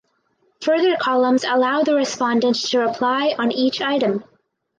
Further columns allow the respondent to reply on each item.